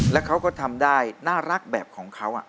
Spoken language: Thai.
แล้วเขาก็ทำได้น่ารักแบบของเขา